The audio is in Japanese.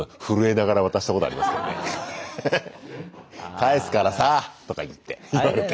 「返すからさ」とか言って言われて。